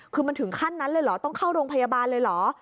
คือมันถึงขั้นนั้นเลยเหรอต้องเข้าโรงพยาบาลเลยเหรอ